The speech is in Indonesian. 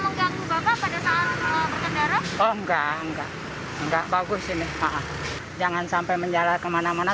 mengganggu bapak pada saat berkendara oh enggak enggak enggak bagus ini jangan sampai menjalar kemana mana